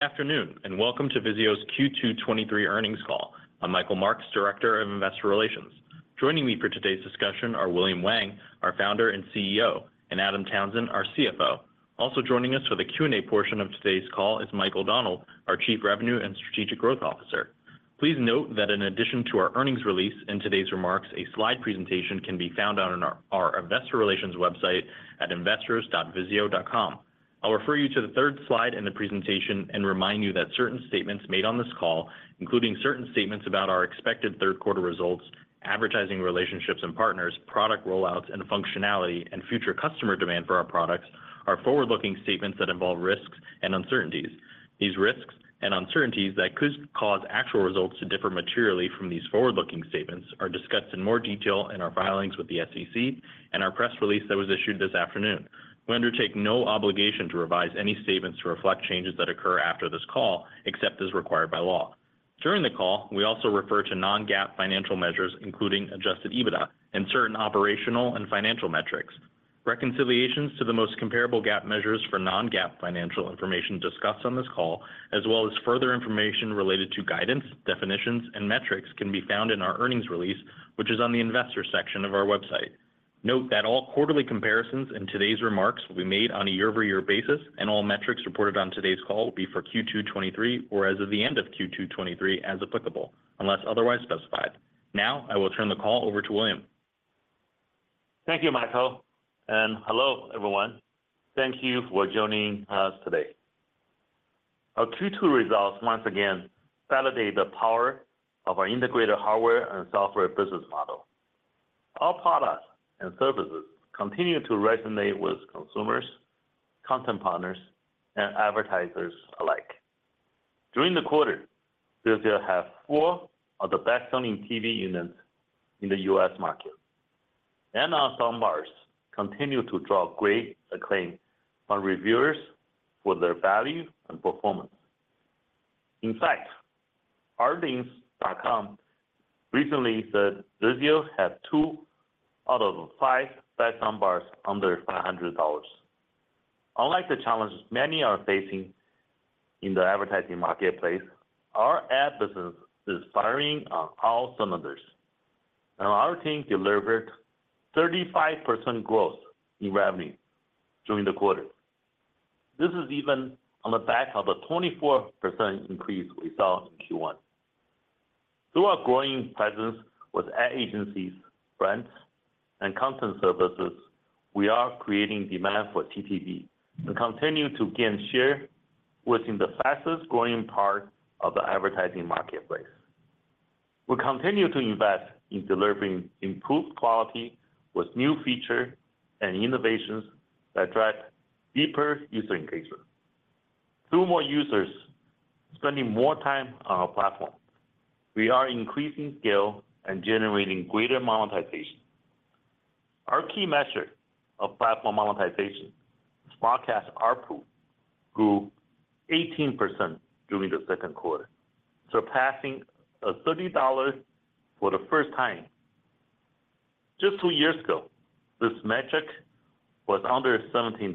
Good afternoon, and welcome to VIZIO's Q2 2023 earnings call. I'm Michael Marks, Director of Investor Relations. Joining me for today's discussion are William Wang, our Founder and CEO, and Adam Townsend, our CFO. Also joining us for the Q&A portion of today's call is Mike O'Donnell, our Chief Revenue and Strategic Growth Officer. Please note that in addition to our earnings release and today's remarks, a slide presentation can be found in our investor relations website at investors.vizio.com. I'll refer you to the third slide in the presentation and remind you that certain statements made on this call, including certain statements about our expected third quarter results, advertising relationships and partners, product rollouts and functionality, and future customer demand for our products, are forward-looking statements that involve risks and uncertainties. These risks and uncertainties that could cause actual results to differ materially from these forward-looking statements are discussed in more detail in our filings with the SEC and our press release that was issued this afternoon. We undertake no obligation to revise any statements to reflect changes that occur after this call, except as required by law. During the call, we also refer to non-GAAP financial measures, including adjusted EBITDA and certain operational and financial metrics. Reconciliations to the most comparable GAAP measures for non-GAAP financial information discussed on this call, as well as further information related to guidance, definitions, and metrics, can be found in our earnings release, which is on the Investors section of our website. Note that all quarterly comparisons in today's remarks will be made on a year-over-year basis, and all metrics reported on today's call will be for Q2 2023 or as of the end of Q2 2023, as applicable, unless otherwise specified. Now, I will turn the call over to William. Thank you, Michael. Hello, everyone. Thank you for joining us today. Our Q2 results once again validate the power of our integrated hardware and software business model. Our products and services continue to resonate with consumers, content partners, and advertisers alike. During the quarter, VIZIO had four of the best-selling TV units in the U.S. market, and our sound bars continue to draw great acclaim from reviewers for their value and performance. In fact, RTINGS.com recently said VIZIO had two out of the five best sound bars under $500. Unlike the challenges many are facing in the advertising marketplace, our ad business is firing on all cylinders, and our team delivered 35% growth in revenue during the quarter. This is even on the back of a 24% increase we saw in Q1. Through our growing presence with ad agencies, brands, and content services, we are creating demand for CTV and continue to gain share within the fastest-growing part of the advertising marketplace. We continue to invest in delivering improved quality with new feature and innovations that drive deeper user engagement. Through more users spending more time on our platform, we are increasing scale and generating greater monetization. Our key measure of platform monetization, SmartCast ARPU, grew 18% during the second quarter, surpassing $30 for the first time. Just two years ago, this metric was under $17,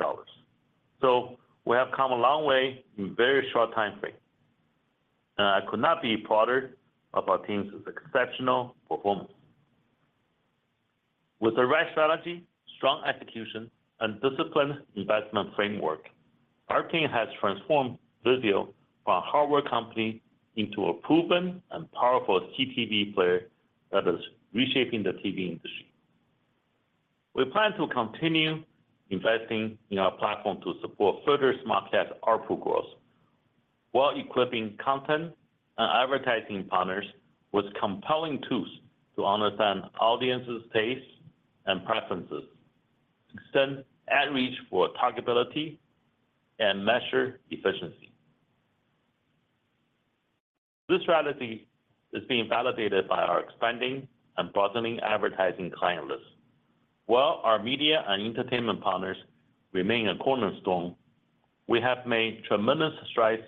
We have come a long way in a very short time frame, and I could not be prouder of our team's exceptional performance. With the right strategy, strong execution, and disciplined investment framework, our team has transformed VIZIO from a hardware company into a proven and powerful CTV player that is reshaping the TV industry. We plan to continue investing in our platform to support further SmartCast ARPU growth, while equipping content and advertising partners with compelling tools to understand audiences' tastes and preferences, extend ad reach for targetability, and measure efficiency. This strategy is being validated by our expanding and broadening advertising client list. While our media and entertainment partners remain a cornerstone, we have made tremendous strides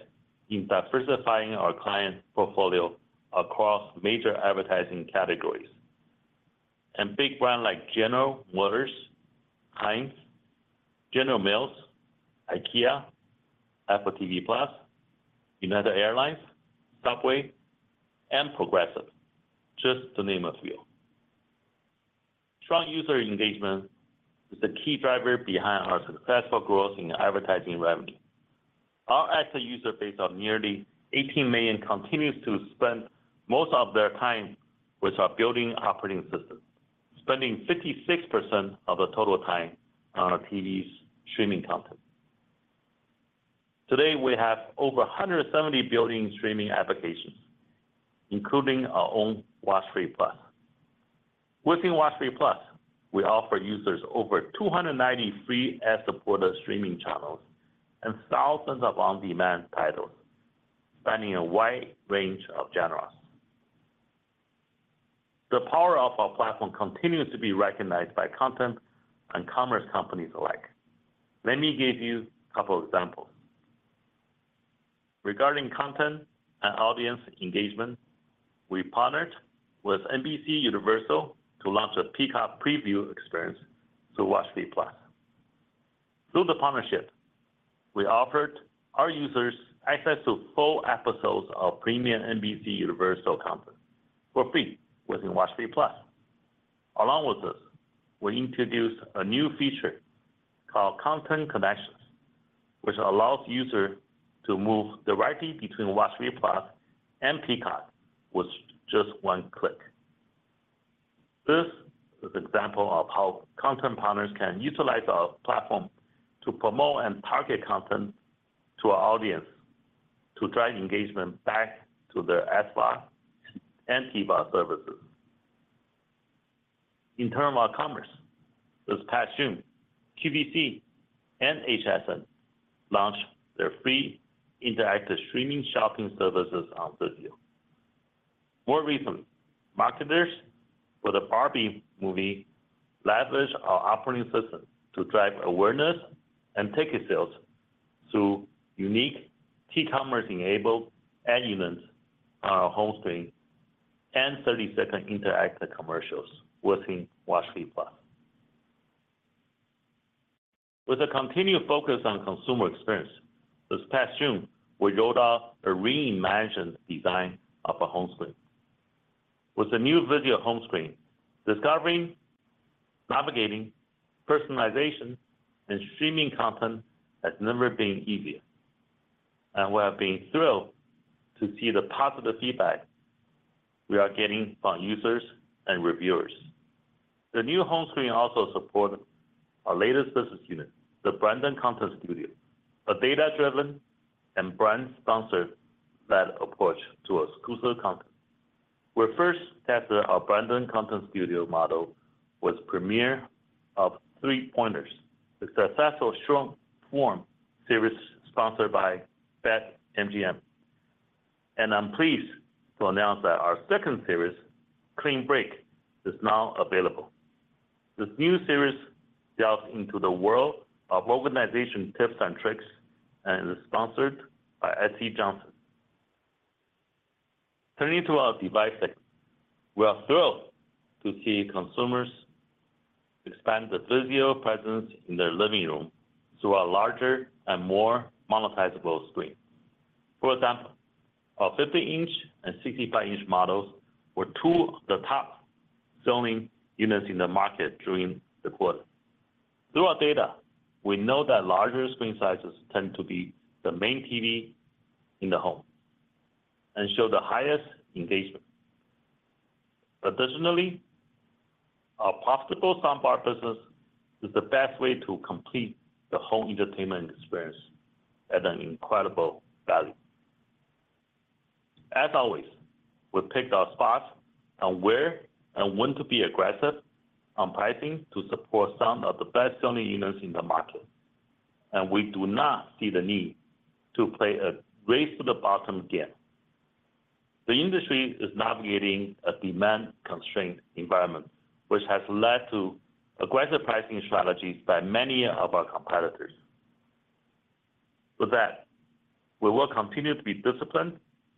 in diversifying our client portfolio across major advertising categories. Big brands like General Motors, Heinz, General Mills, IKEA, Apple TV+, United Airlines, Subway, and Progressive, just to name a few. Strong user engagement is the key driver behind our successful growth in advertising revenue. Our active user base of nearly 18 million continues to spend most of their time with our built-in operating system, spending 56% of the total time on our TVs streaming content. Today, we have over 170 built-in streaming applications, including our own WatchFree+. Within WatchFree+, we offer users over 290 free ad-supported streaming channels and thousands of on-demand titles, spanning a wide range of genres. The power of our platform continues to be recognized by content and commerce companies alike. Let me give you a couple of examples. Regarding content and audience engagement. We partnered with NBCUniversal to launch a Peacock Preview experience to WatchFree+. Through the partnership, we offered our users access to full episodes of premium NBCUniversal content for free within WatchFree+. Along with this, we introduced a new feature called Content Connections, which allows user to move directly between WatchFree+ and Peacock with just one click. This is example of how content partners can utilize our platform to promote and target content to our audience to drive engagement back to their SVOD and TVOD services. In term of commerce, this past June, QVC and HSN launched their free interactive streaming shopping services on VIZIO. More recently, marketers for the Barbie leveraged our operating system to drive awareness and ticket sales through unique T-commerce-enabled ad units on our home screen and 30-second interactive commercials within WatchFree+. With a continued focus on consumer experience, this past June, we rolled out a reimagined design of our home screen. With the new VIZIO home screen, discovering, navigating, personalization, and streaming content has never been easier. We have been thrilled to see the positive feedback we are getting from users and reviewers. The new home screen also support our latest business unit, the Branded Content Studio, a data-driven and brand-sponsored-led approach to exclusive content. We first tested our Branded Content Studio model with premiere of Three Pointers, the successful short-form series sponsored by BetMGM. I'm pleased to announce that our second series, Clean Break, is now available. This new series delves into the world of organization tips and tricks and is sponsored by SC Johnson. Turning to our device segment, we are thrilled to see consumers expand the VIZIO presence in their living room through our larger and more monetizable screen. For example, our 50-inch and 65-inch models were two of the top-selling units in the market during the quarter. Through our data, we know that larger screen sizes tend to be the main TV in the home and show the highest engagement. Additionally, our profitable soundbar business is the best way to complete the home entertainment experience at an incredible value. As always, we've picked our spots on where and when to be aggressive on pricing to support some of the best-selling units in the market, and we do not see the need to play a race-to-the-bottom game. The industry is navigating a demand-constrained environment, which has led to aggressive pricing strategies by many of our competitors. With that, we will continue to be disciplined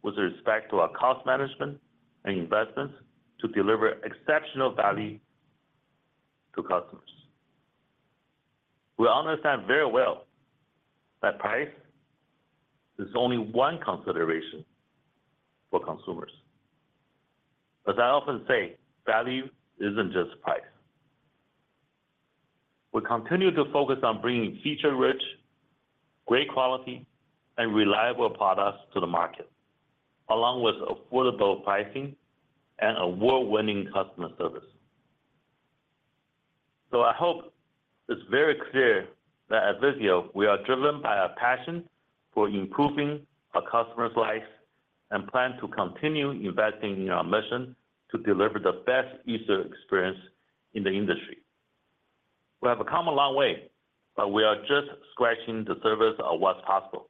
with respect to our cost management and investments to deliver exceptional value to customers. We understand very well that price is only one consideration for consumers. As I often say, value isn't just price. We continue to focus on bringing feature-rich, great quality, and reliable products to the market, along with affordable pricing and award-winning customer service. I hope it's very clear that at VIZIO, we are driven by a passion for improving our customers' lives and plan to continue investing in our mission to deliver the best user experience in the industry. We have come a long way, but we are just scratching the surface of what's possible,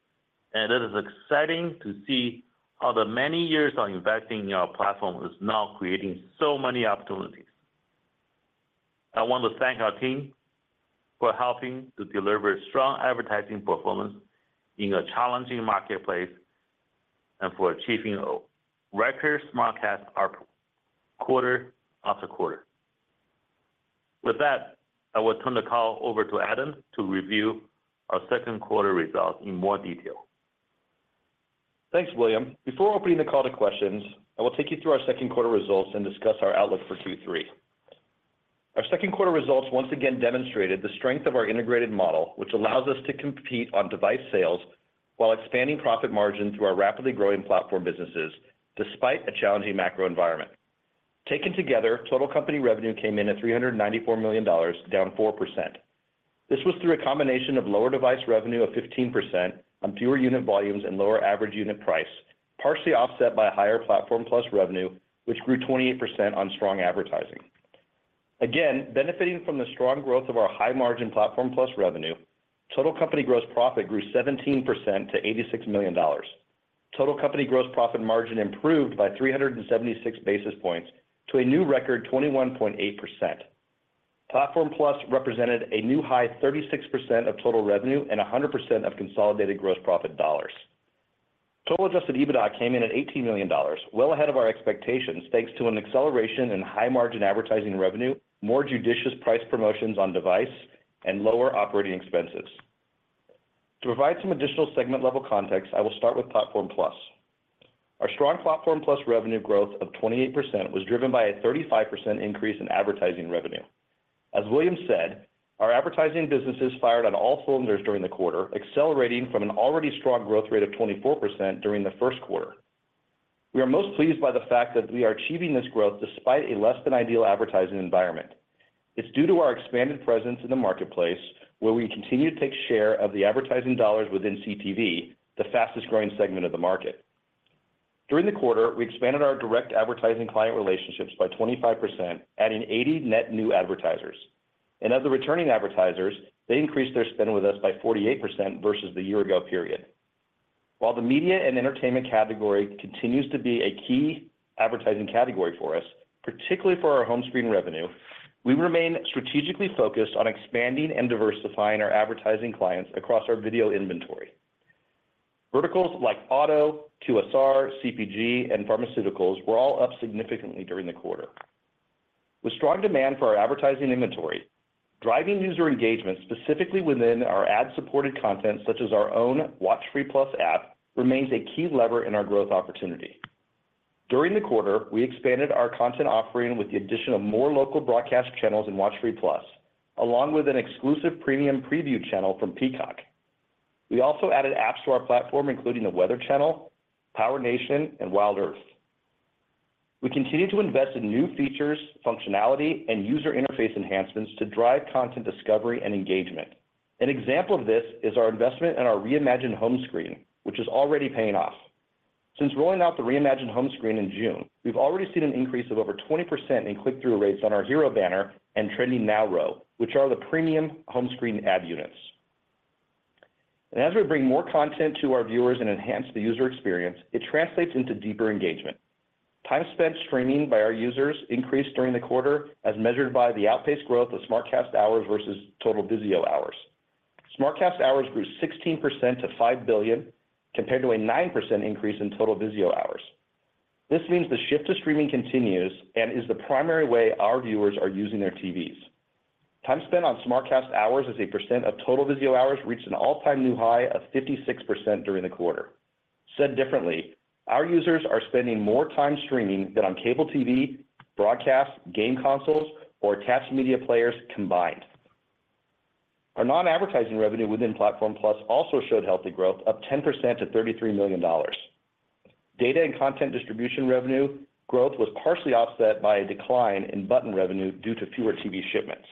and it is exciting to see how the many years on investing in our platform is now creating so many opportunities. I want to thank our team for helping to deliver strong advertising performance in a challenging marketplace and for achieving a record SmartCast ARPU quarter after quarter. With that, I will turn the call over to Adam to review our second quarter results in more detail. Thanks, William. Before opening the call to questions, I will take you through our second quarter results and discuss our outlook for Q3. Our second quarter results once again demonstrated the strength of our integrated model, which allows us to compete on device sales while expanding profit margin through our rapidly growing platform businesses, despite a challenging macro environment. Taken together, total company revenue came in at $394 million, down 4%. This was through a combination of lower device revenue of 15% on fewer unit volumes and lower average unit price, partially offset by a higher Platform Plus revenue, which grew 28% on strong advertising. Benefiting from the strong growth of our high-margin Platform Plus revenue, total company gross profit grew 17% to $86 million. Total company gross profit margin improved by 376 basis points to a new record, 21.8%. Platform+ represented a new high, 36% of total revenue and 100% of consolidated gross profit dollars. Total adjusted EBITDA came in at $18 million, well ahead of our expectations, thanks to an acceleration in high-margin advertising revenue, more judicious price promotions on device, and lower operating expenses. To provide some additional segment-level context, I will start with Platform+. Our strong Platform+ revenue growth of 28% was driven by a 35% increase in advertising revenue. As William said, our advertising businesses fired on all cylinders during the quarter, accelerating from an already strong growth rate of 24% during the 1st quarter. We are most pleased by the fact that we are achieving this growth despite a less than ideal advertising environment. It's due to our expanded presence in the marketplace, where we continue to take share of the advertising dollars within CTV, the fastest-growing segment of the market. During the quarter, we expanded our direct advertising client relationships by 25%, adding 80 net new advertisers. As the returning advertisers, they increased their spend with us by 48% versus the year ago period. While the media and entertainment category continues to be a key advertising category for us, particularly for our home screen revenue, we remain strategically focused on expanding and diversifying our advertising clients across our video inventory. Verticals like auto, QSR, CPG, and pharmaceuticals were all up significantly during the quarter. With strong demand for our advertising inventory, driving user engagement, specifically within our ad-supported content, such as our own WatchFree+ app, remains a key lever in our growth opportunity. During the quarter, we expanded our content offering with the addition of more local broadcast channels in WatchFree+, along with an exclusive premium preview channel from Peacock. We also added apps to our platform, including The Weather Channel, PowerNation, and WildEarth. We continue to invest in new features, functionality, and user interface enhancements to drive content discovery and engagement. An example of this is our investment in our reimagined home screen, which is already paying off. Since rolling out the reimagined home screen in June, we've already seen an increase of over 20% in click-through rates on our Hero banner and Trending Now row, which are the premium home screen ad units. As we bring more content to our viewers and enhance the user experience, it translates into deeper engagement. Time spent streaming by our users increased during the quarter, as measured by the outpaced growth of SmartCast Hours versus total VIZIO hours. SmartCast Hours grew 16% to 5 billion, compared to a 9% increase in total VIZIO hours. This means the shift to streaming continues and is the primary way our viewers are using their TVs. Time spent on SmartCast Hours as a percent of total VIZIO hours, reached an all-time new high of 56% during the quarter. Said differently, our users are spending more time streaming than on cable TV, broadcast, game consoles, or attached media players combined. Our non-advertising revenue within Platform+ also showed healthy growth, up 10% to $33 million. Data and content distribution revenue growth was partially offset by a decline in button revenue due to fewer TV shipments.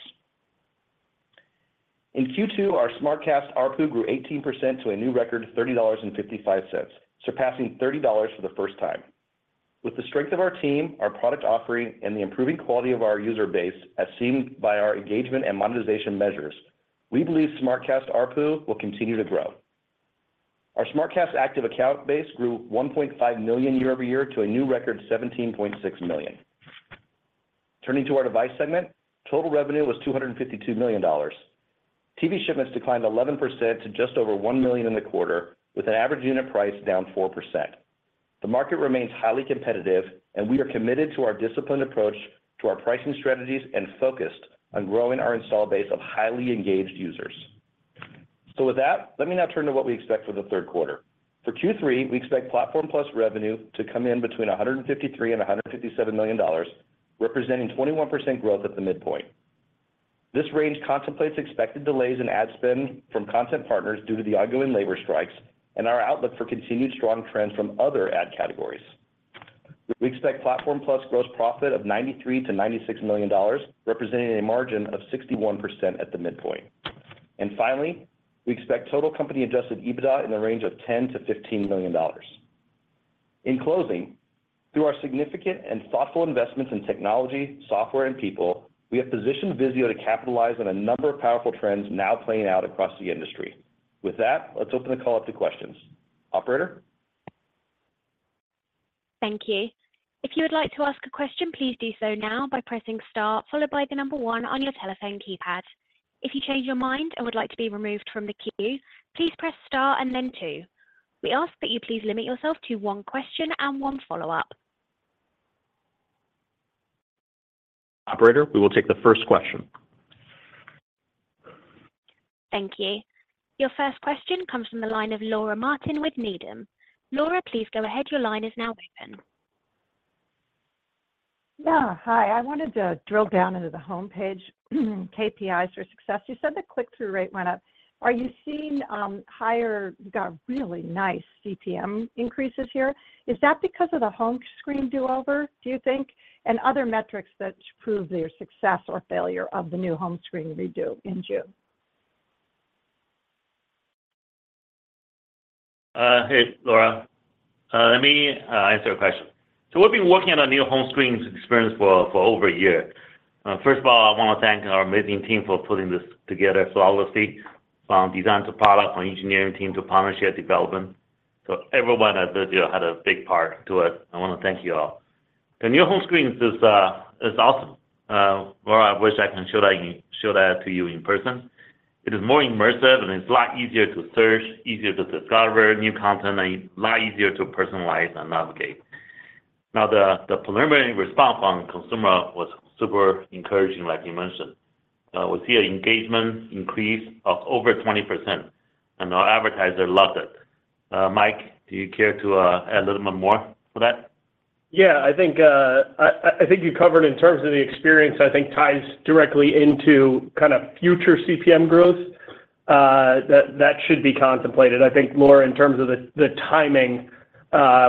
In Q2, our SmartCast ARPU grew 18% to a new record, $30.55, surpassing $30 for the first time. With the strength of our team, our product offering, and the improving quality of our user base, as seen by our engagement and monetization measures, we believe SmartCast ARPU will continue to grow. Our SmartCast Active Accounts grew 1.5 million year-over-year to a new record, 17.6 million. Turning to our device segment, total revenue was $252 million. TV shipments declined 11% to just over one million in the quarter, with an average unit price down 4%. The market remains highly competitive, and we are committed to our disciplined approach to our pricing strategies and focused on growing our install base of highly engaged users. With that, let me now turn to what we expect for the third quarter. For Q3, we expect Platform+ revenue to come in between $153 million and $157 million, representing 21% growth at the midpoint. This range contemplates expected delays in ad spend from content partners due to the ongoing labor strikes and our outlook for continued strong trends from other ad categories. We expect Platform+ gross profit of $93 million-$96 million, representing a margin of 61% at the midpoint. Finally, we expect total company-adjusted EBITDA in the range of $10 million-$15 million. In closing, through our significant and thoughtful investments in technology, software, and people, we have positioned VIZIO to capitalize on a number of powerful trends now playing out across the industry. With that, let's open the call up to questions. Operator? Thank you. If you would like to ask a question, please do so now by pressing star, followed by the number one on your telephone keypad. If you change your mind and would like to be removed from the queue, please press star and then two. We ask that you please limit yourself to one question and one follow-up. Operator, we will take the first question. Thank you. Your first question comes from the line of Laura Martin with Needham. Laura, please go ahead. Your line is now open. Yeah. Hi, I wanted to drill down into the homepage KPIs for success. You said the click-through rate went up. Are you seeing, higher... You got really nice CPM increases here. Is that because of the home screen do-over, do you think? Other metrics that prove their success or failure of the new home screen redo in June? Hey, Laura, let me answer your question. We've been working on new home screens experience for over a year. First of all, I want to thank our amazing team for putting this together flawlessly, from design to product, from engineering team to partnership development. Everyone at VIZIO had a big part to it. I want to thank you all. The new home screen is awesome. Laura, I wish I can show that, show that to you in person. It is more immersive, and it's a lot easier to search, easier to discover new content, and a lot easier to personalize and navigate. Now, the preliminary response from consumer was super encouraging, like you mentioned. We see an engagement increase of over 20%, and our advertiser loved it. Mike, do you care to add a little bit more for that? Yeah, I think, I, I, I think you covered in terms of the experience, I think ties directly into kind of future CPM growth, that, that should be contemplated. I think, Laura, in terms of the, the timing,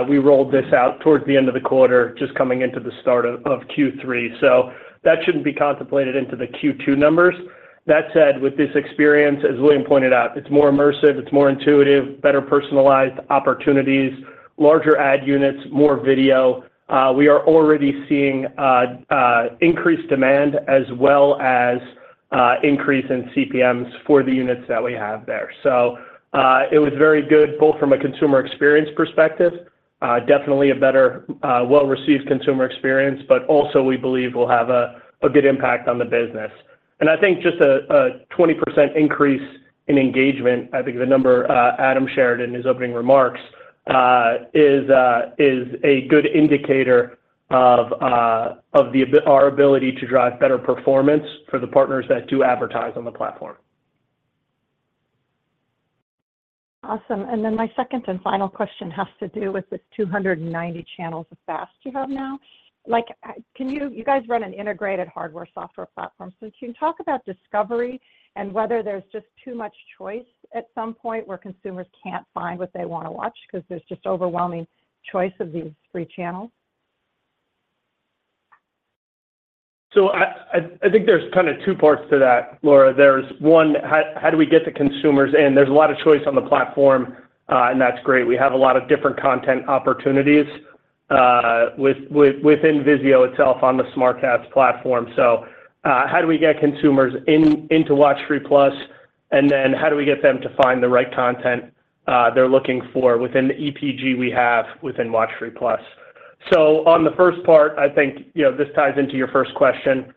we rolled this out towards the end of the quarter, just coming into the start of Q3. That shouldn't be contemplated into the Q2 numbers. That said, with this experience, as William pointed out, it's more immersive, it's more intuitive, better personalized opportunities, larger ad units, more video. We are already seeing increased demand, as well as increase in CPMs for the units that we have there. It was very good, both from a consumer experience perspective, definitely a better, well-received consumer experience, but also we believe will have a good impact on the business. I think just a, a 20% increase in engagement, I think the number Adam shared in his opening remarks, is, is a good indicator of our ability to drive better performance for the partners that do advertise on the platform. Awesome. Then my second and final question has to do with the 290 channels of FAST you have now. Like, can you-- you guys run an integrated hardware software platform. Can you talk about discovery and whether there's just too much choice at some point, where consumers can't find what they want to watch because there's just overwhelming choice of these free channels? I, I, I think there's kind of two parts to that, Laura. There's one: how, how do we get the consumers in? There's a lot of choice on the platform, and that's great. We have a lot of different content opportunities with, with, within VIZIO itself on the SmartCast platform. How do we get consumers in, into WatchFree+? And then how do we get them to find the right content they're looking for within the EPG we have within WatchFree+? On the first part, I think, you know, this ties into your first question.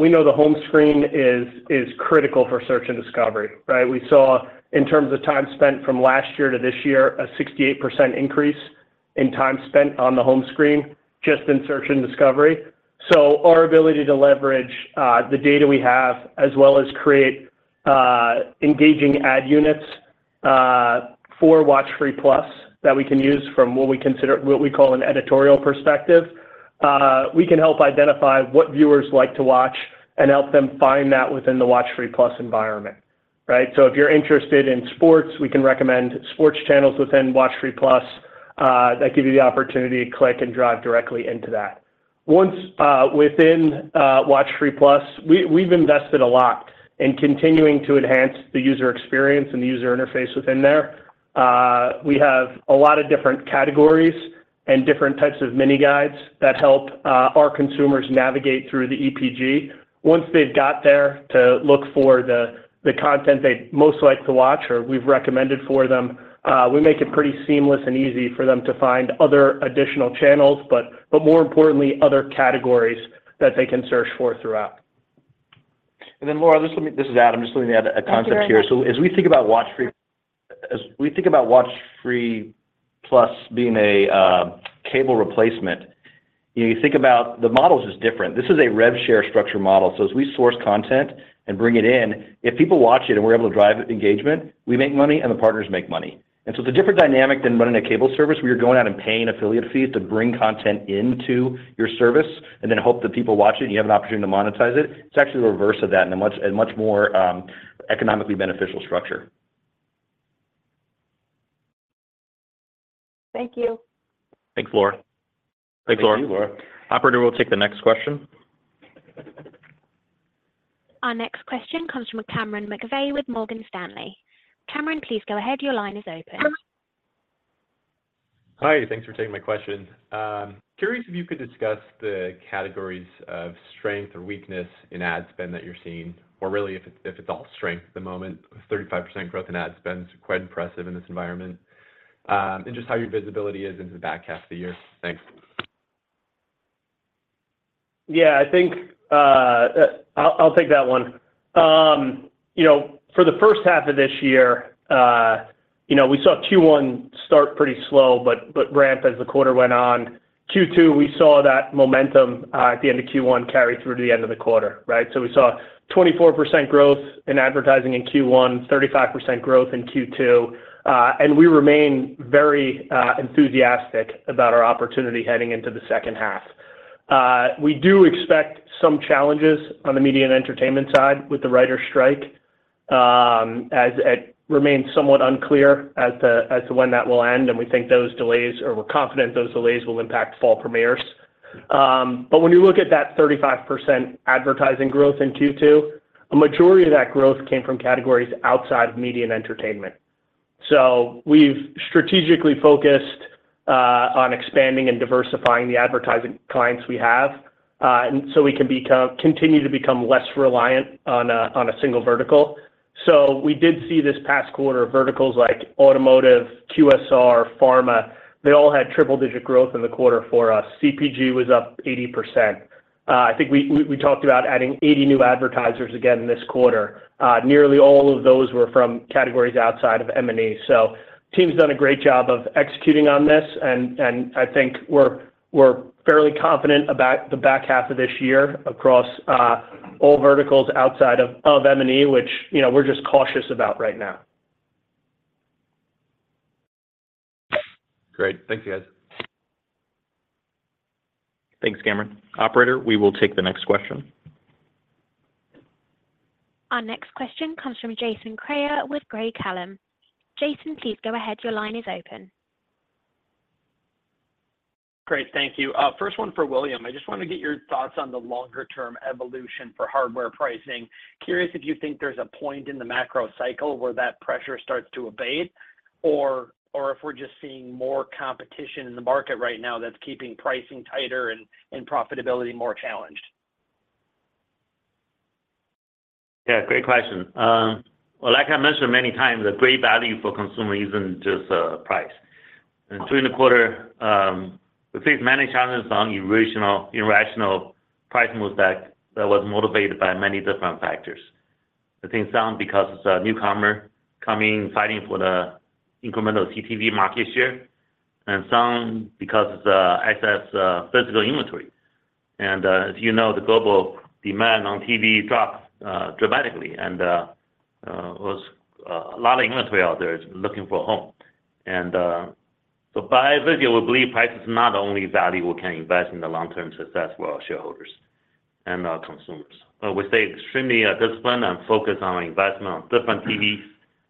We know the home screen is, is critical for search and discovery, right? We saw, in terms of time spent from last year to this year, a 68% increase in time spent on the home screen, just in search and discovery. Our ability to leverage the data we have, as well as create engaging ad units for WatchFree+ that we can use from what we consider what we call an editorial perspective, we can help identify what viewers like to watch and help them find that within the WatchFree+ environment, right? If you're interested in sports, we can recommend sports channels within Watchfree+, that give you the opportunity to click and drive directly into that. Once within WatchFree+, we, we've invested a lot in continuing to enhance the user experience and the user interface within there. We have a lot of different categories and different types of mini guides that help our consumers navigate through the EPG. Once they've got there to look for the, the content they'd most like to watch or we've recommended for them, we make it pretty seamless and easy for them to find other additional channels, but, but more importantly, other categories that they can search for throughout. Then, Laura, this is Adam, just let me add a concept here. Thank you very much. As we think about WatchFree+, as we think about WatchFree+ being a cable replacement, you know, you think about the models is different. This is a rev share structure model. As we source content and bring it in, if people watch it and we're able to drive engagement, we make money, and the partners make money. The different dynamic than running a cable service, we are going out and paying affiliate fees to bring content into your service and then hope that people watch it, and you have an opportunity to monetize it. It's actually the reverse of that and a much, a much more, economically beneficial structure. Thank you. Thanks, Laura. Thanks, Laura. Operator, we'll take the next question. Our next question comes from Cameron McVey with Morgan Stanley. Cameron, please go ahead. Your line is open. Hi, thanks for taking my question. Curious if you could discuss the categories of strength or weakness in ad spend that you're seeing, or really, if it's, if it's all strength at the moment. 35% growth in ad spend is quite impressive in this environment, and just how your visibility is into the back half of the year. Thanks. Yeah, I think, I'll take that one. You know, for the first half of this year, you know, we saw Q1 start pretty slow, but ramp as the quarter went on. Q2, we saw that momentum at the end of Q1 carry through to the end of the quarter, right? We saw 24% growth in advertising in Q1, 35% growth in Q2, and we remain very enthusiastic about our opportunity heading into the second half. We do expect some challenges on the media and entertainment side with the writer strike, as it remains somewhat unclear as to, as to when that will end, and we think those delays, or we're confident those delays will impact fall premieres. When you look at that 35% advertising growth in Q2, a majority of that growth came from categories outside of Media and Entertainment. We've strategically focused-... on expanding and diversifying the advertising clients we have, and so we can continue to become less reliant on a, on a single vertical. We did see this past quarter, verticals like automotive, QSR, pharma, they all had triple-digit growth in the quarter for us. CPG was up 80%. I think we talked about adding 80 new advertisers again this quarter. Nearly all of those were from categories outside of M&E. Team's done a great job of executing on this, and I think we're fairly confident about the back half of this year across all verticals outside of M&E, which, you know, we're just cautious about right now. Great. Thanks, guys. Thanks, Cameron. Operator, we will take the next question. Our next question comes from Jason Kreyer with Craig-Hallum. Jason, please go ahead. Your line is open. Great. Thank you. First one for William. I just want to get your thoughts on the longer-term evolution for hardware pricing. Curious if you think there's a point in the macro cycle where that pressure starts to abate, or, or if we're just seeing more competition in the market right now that's keeping pricing tighter and, and profitability more challenged? Yeah, great question. Well, like I mentioned many times, a great value for consumer isn't just price. During the quarter, we faced many challenges on irrational, irrational price moves that, that was motivated by many different factors. I think some because it's a newcomer coming, fighting for the incremental CTV market share, and some because it's excess physical inventory. As you know, the global demand on TV dropped dramatically, and a lot of inventory out there is looking for a home. By VIZIO, we believe price is not only valuable, can invest in the long-term success for our shareholders and our consumers. We stay extremely disciplined and focused on investment on different TVs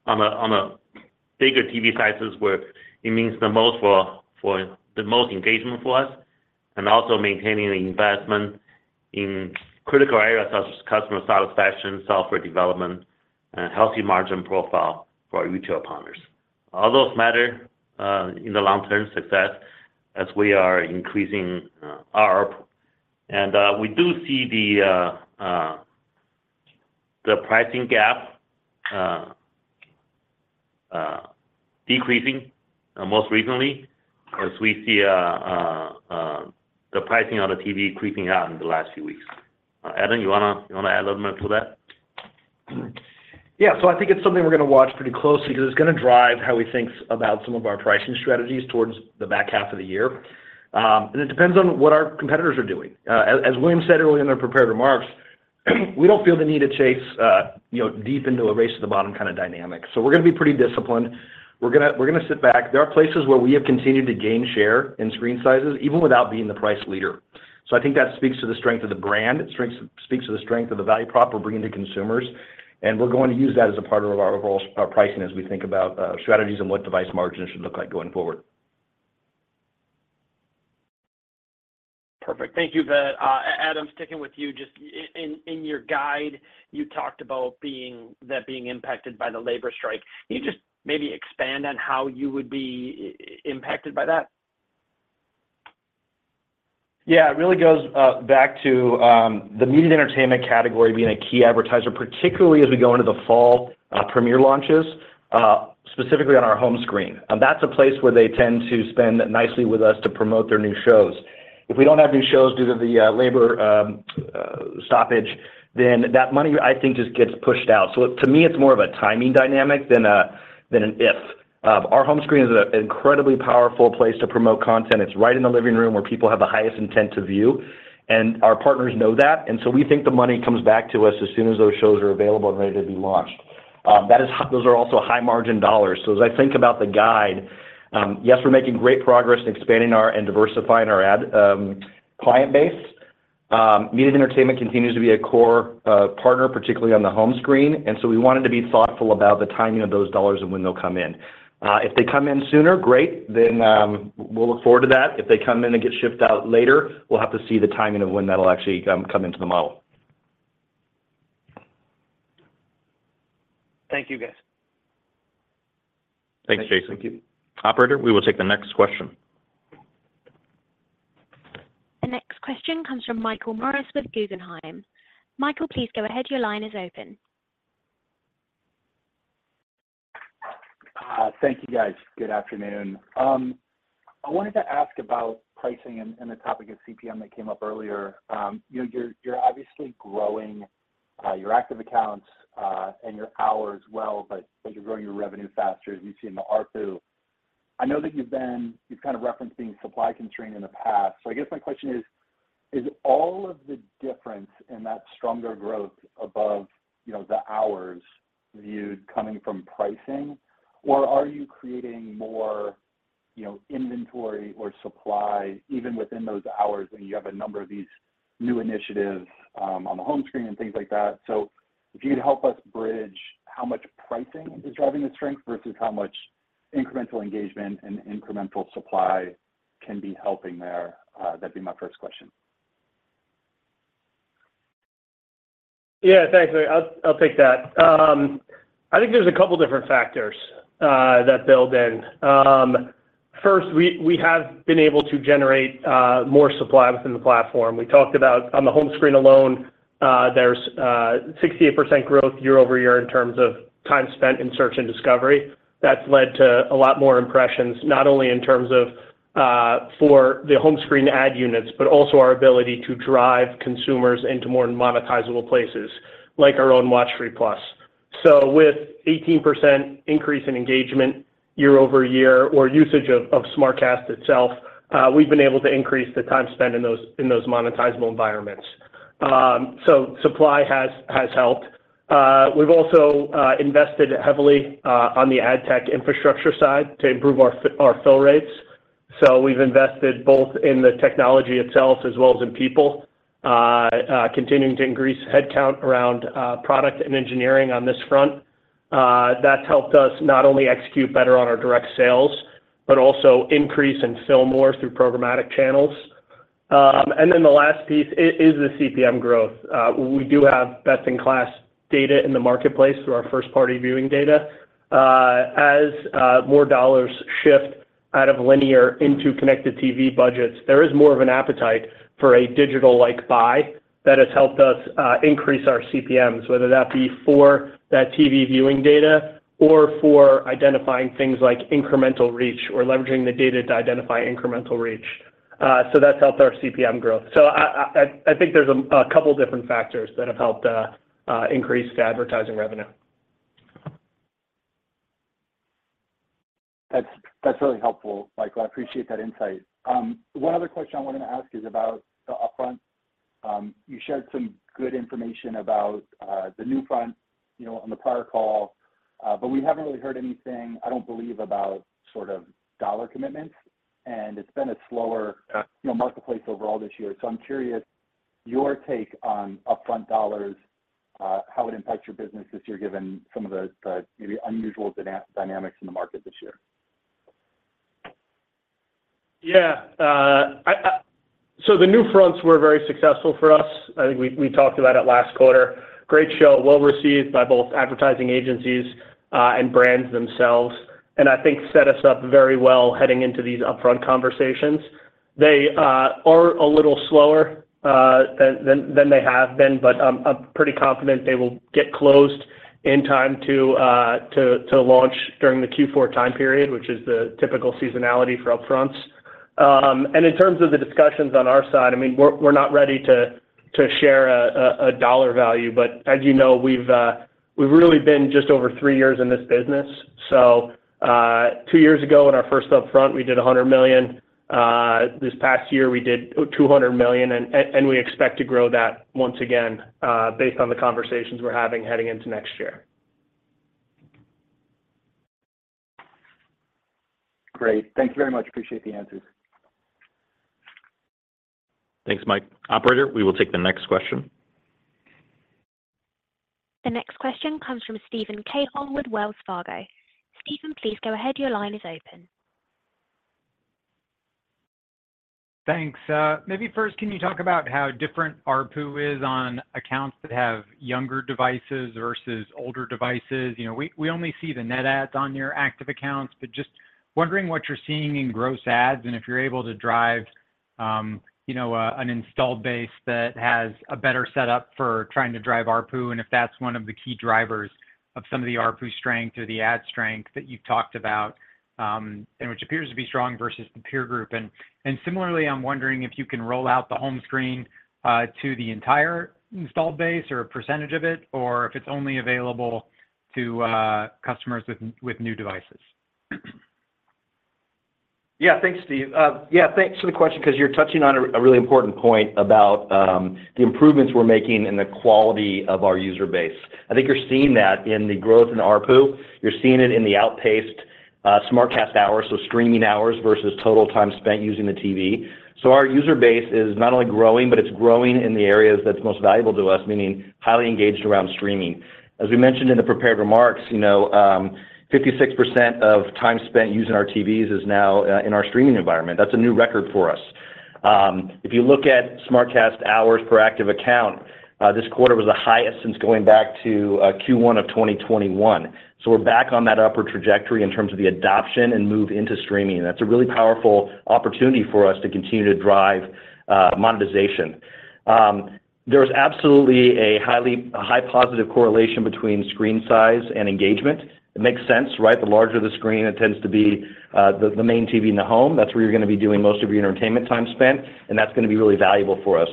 on a, on a bigger TV sizes where it means the most for, for the most engagement for us, and also maintaining the investment in critical areas such as customer satisfaction, software development, and healthy margin profile for our retail partners. All those matter in the long-term success as we are increasing ARPU. We do see the pricing gap decreasing most recently, as we see a, a, a, the pricing on the TV creeping out in the last few weeks. Adam, you want to, you want to add a little more to that? Yeah. I think it's something we're going to watch pretty closely because it's going to drive how we think about some of our pricing strategies towards the back half of the year. It depends on what our competitors are doing. As William said earlier in our prepared remarks, we don't feel the need to chase, you know, deep into a race to the bottom kinda dynamic. We're going to be pretty disciplined. We're going to sit back. There are places where we have continued to gain share in screen sizes, even without being the price leader. I think that speaks to the strength of the brand. It speaks to the strength of the value prop we're bringing to consumers. We're going to use that as a part of our overall, our pricing as we think about strategies and what device margins should look like going forward. Perfect. Thank you for that. Adam, sticking with you, just in your guide, you talked about being, that being impacted by the labor strike. Can you just maybe expand on how you would be impacted by that? Yeah. It really goes back to the media and entertainment category being a key advertiser, particularly as we go into the fall, premiere launches, specifically on our Home screen. That's a place where they tend to spend nicely with us to promote their new shows. If we don't have new shows due to the labor stoppage, that money, I think, just gets pushed out. To me, it's more of a timing dynamic than a, than an if. Our Home screen is an incredibly powerful place to promote content. It's right in the living room, where people have the highest intent to view, our partners know that. We think the money comes back to us as soon as those shows are available and ready to be launched. That is, those are also high-margin dollars. As I think about the guide, yes, we're making great progress in expanding our and diversifying our ad client base. Media and Entertainment continues to be a core partner, particularly on the home screen, we wanted to be thoughtful about the timing of those dollars and when they'll come in. If they come in sooner, great, then we'll look forward to that. If they come in and get shipped out later, we'll have to see the timing of when that'll actually come, come into the model. Thank you, guys. Thanks, Jason. Thank you. Operator, we will take the next question. The next question comes from Michael Morris with Guggenheim. Michael, please go ahead. Your line is open. Thank you, guys. Good afternoon. I wanted to ask about pricing and, and the topic of CPM that came up earlier. You know, you're, you're obviously growing, your active accounts, and your hours well, but, but you're growing your revenue faster as you've seen the ARPU. I know that you've kind of referenced being supply constrained in the past. I guess my question is: Is all of the difference in that stronger growth above, you know, the hours viewed coming from pricing? Or are you creating more, you know, inventory or supply, even within those hours, and you have a number of these new initiatives, on the home screen and things like that? If you'd help us bridge how much pricing is driving the strength versus how much incremental engagement and incremental supply can be helping there, that'd be my first question. Yeah, thanks. I'll take that. I think there's a couple different factors that build in. First, we, we have been able to generate more supply within the platform. We talked about on the home screen alone, there's 68% growth year-over-year in terms of time spent in search and discovery. That's led to a lot more impressions, not only in terms of for the home screen ad units, but also our ability to drive consumers into more monetizable places like our own WatchFree+. With 18% increase in engagement year-over-year or usage of SmartCast itself, we've been able to increase the time spent in those, in those monetizable environments. Supply has, has helped. We've also invested heavily on the ad tech infrastructure side to improve our fill rates. We've invested both in the technology itself as well as in people, continuing to increase headcount around product and engineering on this front. That's helped us not only execute better on our direct sales, but also increase and sell more through programmatic channels. The last piece is the CPM growth. We do have best-in-class data in the marketplace through our first-party viewing data. As more dollars shift out of linear into connected TV budgets, there is more of an appetite for a digital-like buy that has helped us increase our CPMs, whether that be for that TV viewing data or for identifying things like incremental reach or leveraging the data to identify incremental reach. That's helped our CPM growth. I think there's a couple different factors that have helped increase the advertising revenue. That's, that's really helpful, Michael. I appreciate that insight. One other question I wanted to ask is about the upfront. You shared some good information about the NewFronts, you know, on the prior call, but we haven't really heard anything, I don't believe, about sort of dollar commitments, and it's been a slower, you know, marketplace overall this year. I'm curious your take on upfront dollars, how it impacts your business this year, given some of the, the maybe unusual dynamics in the market this year? Yeah. The NewFronts were very successful for us. I think we, we talked about it last quarter. Great show, well received by both advertising agencies and brands themselves, and I think set us up very well heading into these upfront conversations. They are a little slower than they have been, but I'm, I'm pretty confident they will get closed in time to launch during the Q4 time period, which is the typical seasonality for upfronts. In terms of the discussions on our side, I mean, we're, we're not ready to share a dollar value, but as you know, we've really been just over three years in this business. Two years ago, in our first upfront, we did 100 million. This past year, we did 200 million, and we expect to grow that once again, based on the conversations we're having heading into next year. Great. Thank you very much. Appreciate the answers. Thanks, Mike. Operator, we will take the next question. The next question comes from Steven Cahall, Wells Fargo. Steven, please go ahead. Your line is open. Thanks. Maybe first, can you talk about how different ARPU is on accounts that have younger devices versus older devices? You know, we, we only see the net ads on your active accounts, but just wondering what you're seeing in gross ads and if you're able to drive, you know, an installed base that has a better setup for trying to drive ARPU, and if that's one of the key drivers of some of the ARPU strength or the ad strength that you talked about, and which appears to be strong versus the peer group. Similarly, I'm wondering if you can roll out the home screen to the entire installed base or a percentage of it, or if it's only available to customers with new devices? Yeah. Thanks, Steve. Yeah, thanks for the question because you're touching on a really important point about the improvements we're making in the quality of our user base. I think you're seeing that in the growth in ARPU. You're seeing it in the outpaced SmartCast hours, so streaming hours versus total time spent using the TV. Our user base is not only growing, but it's growing in the areas that's most valuable to us, meaning highly engaged around streaming. As we mentioned in the prepared remarks, you know, 56% of time spent using our TVs is now in our streaming environment. That's a new record for us. If you look at SmartCast hours per active account, this quarter was the highest since going back to Q1 of 2021. We're back on that upper trajectory in terms of the adoption and move into streaming. That's a really powerful opportunity for us to continue to drive monetization. There is absolutely a high positive correlation between screen size and engagement. It makes sense, right? The larger the screen, it tends to be the main TV in the home. That's where you're going to be doing most of your entertainment time spent, and that's going to be really valuable for us.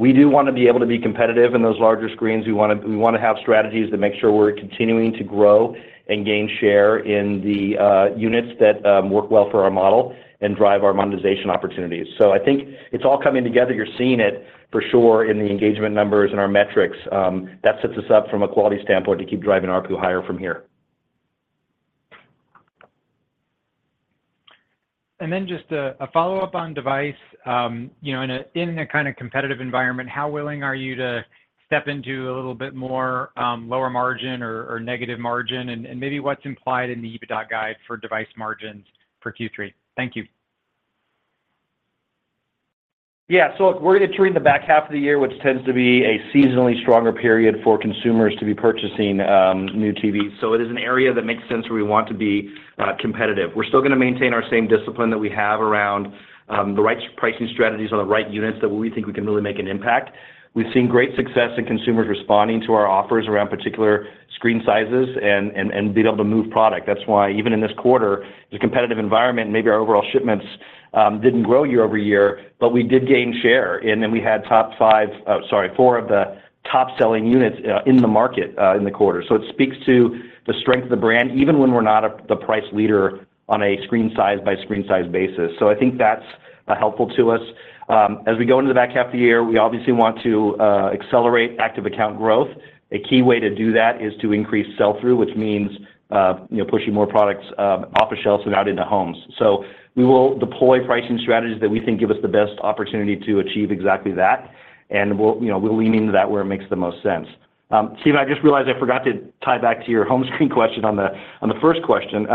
We do want to be able to be competitive in those larger screens. We want to, we want to have strategies that make sure we're continuing to grow and gain share in the units that work well for our model and drive our monetization opportunities. I think it's all coming together. You're seeing it for sure in the engagement numbers and our metrics. That sets us up from a quality standpoint to keep driving ARPU higher from here. Just a follow-up on device. You know, in a, in a kind of competitive environment, how willing are you to step into a little bit more, lower margin or, or negative margin? And maybe what's implied in the EBITDA guide for device margins for Q3? Thank you. Yeah, look, we're going to turn the back half of the year, which tends to be a seasonally stronger period for consumers to be purchasing new TVs. It is an area that makes sense where we want to be competitive. We're still going to maintain our same discipline that we have around the right pricing strategies on the right units that we think we can really make an impact. We've seen great success in consumers responding to our offers around particular screen sizes and, and, and being able to move product. That's why even in this quarter, the competitive environment, maybe our overall shipments didn't grow year-over-year, but we did gain share. We had top five, sorry, four of the top-selling units in the market in the quarter. It speaks to the strength of the brand, even when we're not the price leader on a screen size by screen size basis. I think that's helpful to us. As we go into the back half of the year, we obviously want to accelerate active account growth. A key way to do that is to increase sell-through, which means, you know, pushing more products off the shelves and out into homes. We will deploy pricing strategies that we think give us the best opportunity to achieve exactly that, and we'll, you know, we'll lean into that where it makes the most sense. Steve, I just realized I forgot to tie back to your home screen question on the, on the first question.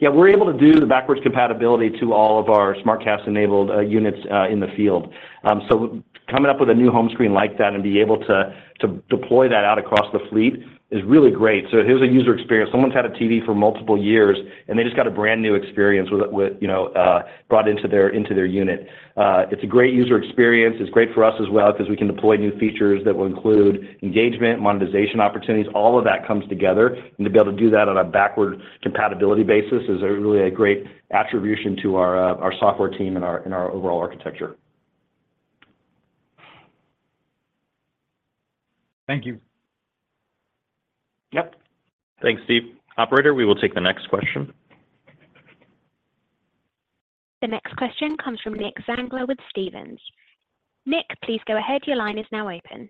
Yeah, we're able to do the backwards compatibility to all of our SmartCast-enabled units in the field. Coming up with a new home screen like that and be able to deploy that out across the fleet is really great. Here's a user experience. Someone's had a TV for multiple years, and they just got a brand-new experience with it, with, you know, brought into their, into their unit. It's a great user experience. It's great for us as well 'cause we can deploy new features that will include engagement, monetization opportunities. All of that comes together, and to be able to do that on a backward compatibility basis is a really a great attribution to our software team and our overall architecture. Thank you. Yep. Thanks, Steve. Operator, we will take the next question. The next question comes from Nicholas Zangler with Stephens. Nick, please go ahead. Your line is now open.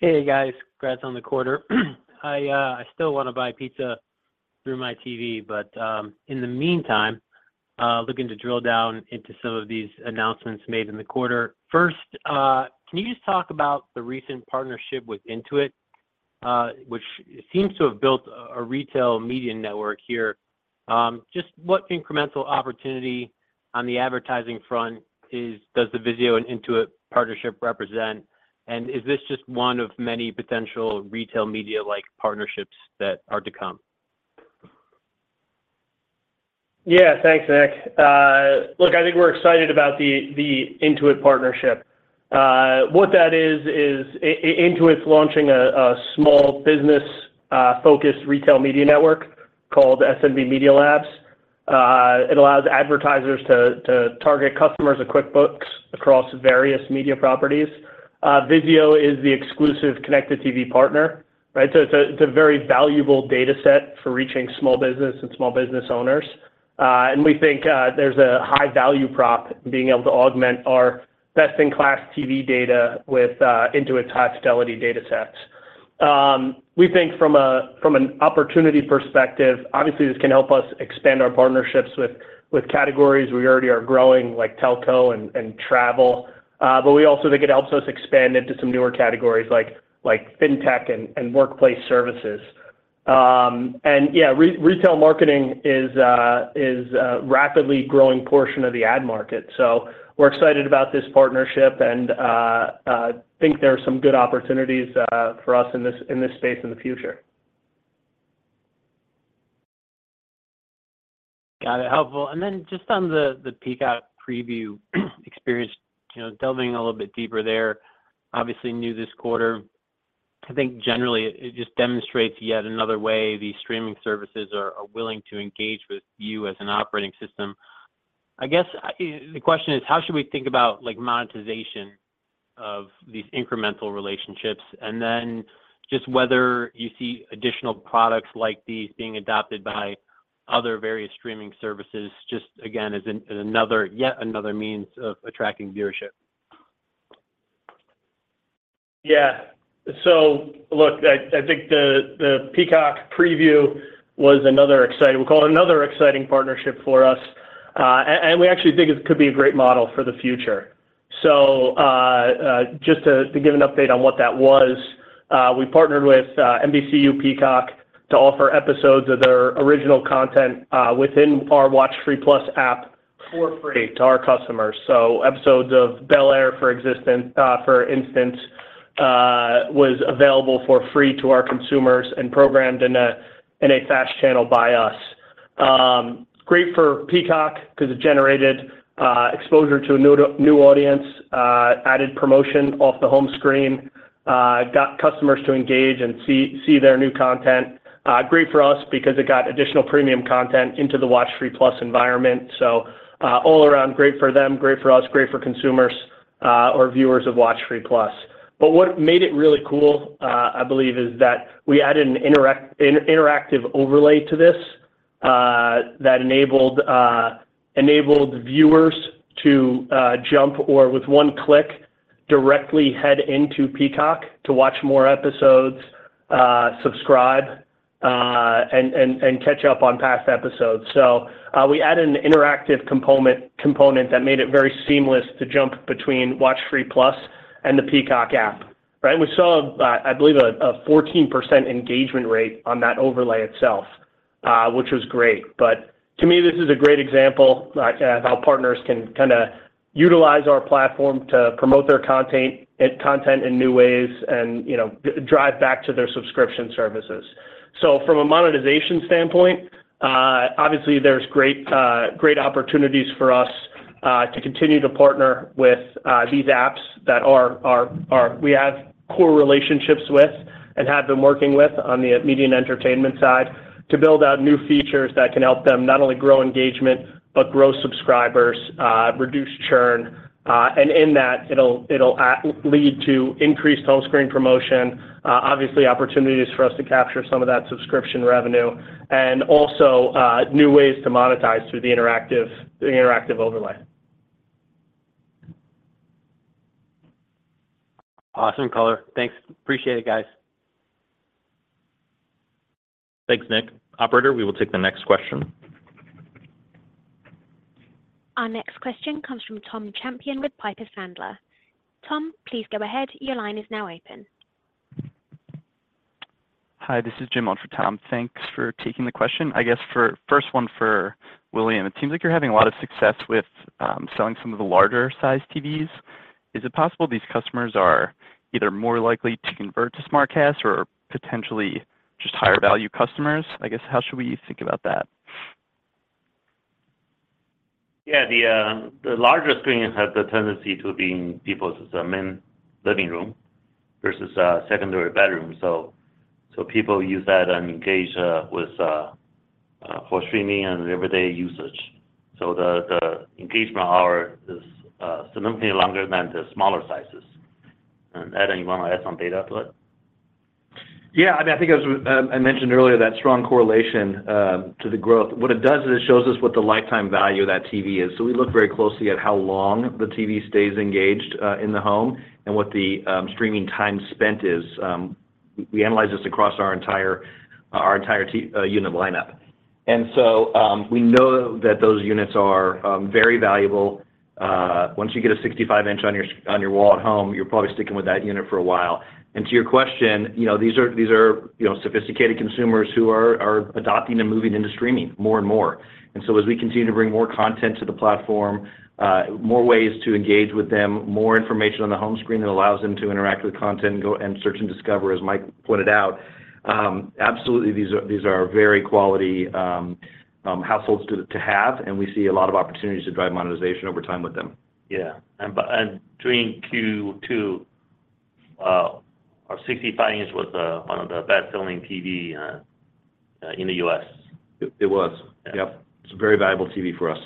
Hey, guys. Congrats on the quarter. I still want to buy pizza through my TV. In the meantime, looking to drill down into some of these announcements made in the quarter. First, can you just talk about the recent partnership with Intuit, which seems to have built a retail media network here. Just what incremental opportunity on the advertising front does the VIZIO and Intuit partnership represent? Is this just one of many potential retail media-like partnerships that are to come? Yeah, thanks, Nick. look, I think we're excited about the, the Intuit partnership. what that is, is Intuit's launching a, a small business, focused retail media network called SMB Media Labs. it allows advertisers to, to target customers of QuickBooks across various media properties. VIZIO is the exclusive connected TV partner, right? it's a, it's a very valuable data set for reaching small business and small business owners. we think, there's a high value prop being able to augment our best-in-class TV data with, Intuit's high fidelity data sets. we think from a, from an opportunity perspective, obviously, this can help us expand our partnerships with, with categories we already are growing, like telco and, and travel. we also think it helps us expand into some newer categories like, like fintech and, and workplace services. Yeah, retail marketing is a rapidly growing portion of the ad market. We're excited about this partnership and think there are some good opportunities for us in this, in this space in the future. Got it. Helpful. Just on the Peacock preview experience, you know, delving a little bit deeper there, obviously new this quarter. I think generally it just demonstrates yet another way these streaming services are, are willing to engage with you as an operating system. I guess the question is: How should we think about, like, monetization of these incremental relationships? Just whether you see additional products like these being adopted by other various streaming services, just again, as another, yet another means of attracting viewership? e Peacock preview was another exciting, we call it another exciting partnership for us. And we actually think it could be a great model for the future. Just to give an update on what that was, we partnered with NBCUniversal Peacock to offer episodes of their original content within our WatchFree+ app for free to our customers. Episodes of Bel-Air, for instance, was available for free to our consumers and programmed in a FAST channel by us. Great for Peacock because it generated exposure to a new audience, added promotion off the home screen, got customers to engage and see their new content. Great for us because it got additional premium content into the WatchFree+ environment. All around, great for them, great for us, great for consumers, or viewers of WatchFree+. What made it really cool, I believe, is that we added an interactive overlay to this, that enabled viewers to jump, or with one click, directly head into Peacock to watch more episodes, subscribe, and catch up on past episodes. We added an interactive component that made it very seamless to jump between WatchFree+ and the Peacock app.... Right, we saw, I believe a 14% engagement rate on that overlay itself, which was great. To me, this is a great example, like, how partners can kinda utilize our platform to promote their content, and content in new ways and, you know, d-drive back to their subscription services. From a monetization standpoint, obviously there's great, great opportunities for us to continue to partner with these apps that are, are, are-- we have core relationships with, and have been working with on the Media and Entertainment side, to build out new features that can help them not only grow engagement, but grow subscribers, reduce churn. In that, it'll, it'll, lead to increased home screen promotion, obviously opportunities for us to capture some of that subscription revenue, and also, new ways to monetize through the interactive, the interactive overlay. Awesome, Color. Thanks. Appreciate it, guys. Thanks, Nick. Operator, we will take the next question. Our next question comes from Tom Champion with Piper Sandler. Tom, please go ahead. Your line is now open. Hi, this is Jim on for Tom. Thanks for taking the question. I guess first one for William: It seems like you're having a lot of success with selling some of the larger size TVs. Is it possible these customers are either more likely to convert to SmartCast or potentially just higher value customers? I guess, how should we think about that? Yeah, the larger screens have the tendency to be in people's main living room versus secondary bedroom. So people use that and engage with for streaming and everyday usage. So the engagement hour is significantly longer than the smaller sizes. And Adam, you want to add some data to it? Yeah, I mean, I think as I mentioned earlier, that strong correlation to the growth. What it does is, it shows us what the lifetime value of that TV is. So we look very closely at how long the TV stays engaged in the home, and what the streaming time spent is. We analyze this across our entire, our entire unit lineup. We know that those units are very valuable. Once you get a 65-inch on your, on your wall at home, you're probably sticking with that unit for a while. To your question, you know, these are, these are, you know, sophisticated consumers who are, are adopting and moving into streaming more and more. So as we continue to bring more content to the platform, more ways to engage with them, more information on the home screen that allows them to interact with content and go and search and discover, as Mike pointed out, absolutely, these are, these are very quality households to have, and we see a lot of opportunities to drive monetization over time with them. Yeah. During Q2, our 65-inch was one of the best-selling TV in the U.S. It, it was. Yeah. Yep. It's a very valuable TV for us.